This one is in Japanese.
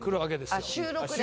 あっ収録で？